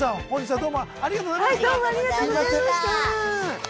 はいどうもありがとうございました！